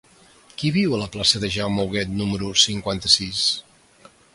Qui viu a la plaça de Jaume Huguet número cinquanta-sis?